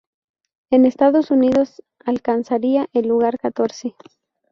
En Estados Unidos alcanzaría el lugar catorce.